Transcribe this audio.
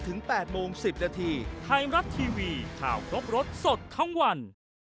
ถึงแปดโมงสิบนาทีไทม์รับทีวีข่าวครบรถสดทั้งวัน